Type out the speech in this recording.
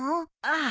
ああ。